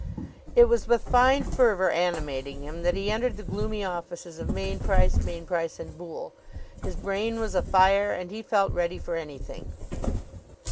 It was with fine fervor animating him that he entered the gloomy offices of Mainprice, Mainprice & Boole. His brain was afire and he felt ready for anything.